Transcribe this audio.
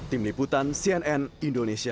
tim liputan cnn indonesia